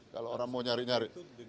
kalau orang mau nyari nyari itu